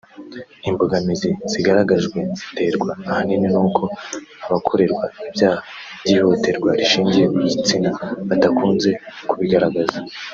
Imbogamizi zagaragajwe ziterwa ahanini n’uko abakorerwa ibyaha by’ihohoterwa rishingiye ku gitsina badakunze kubigaragaza